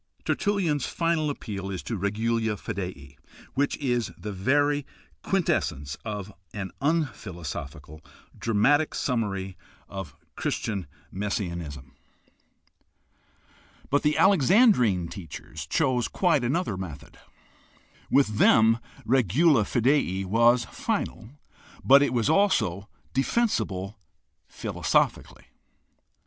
Ter tullian's final appeal is to regula fidei, which is the very quintes sence of an unphilosophical, dramatic summary of Christian messianism. 62 GUIDE TO STUDY OF CHRISTIAN RELIGION (2) But the Alexandrine teachers chose quite another method. With them regula fidei was final, but it was also defensible philosophically.